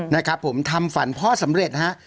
นะครับผมทำฝันพ่อสำเร็จฮะ